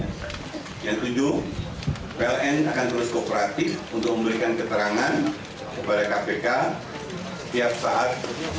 setiap saat jika diperlukan